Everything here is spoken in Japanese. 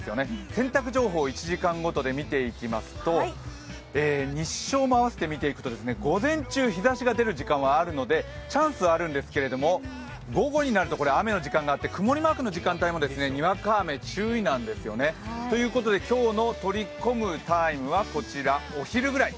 洗濯情報、１時間ごとで見ていきますと日照も合わせてみていくと、午前中日ざしが出る時間はあるのでチャンスはあるんですけれども午後にあると雨の時間があって曇りマークの時間帯もにわか雨注意なんですよね。ということで今日の取り込むタイムはこちら、お昼ぐらい。